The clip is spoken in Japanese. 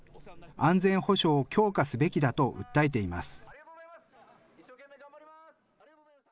安全保障を強化すべきだと訴えています。